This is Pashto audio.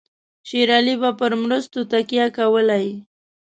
شېر علي به پر مرستو تکیه کولای.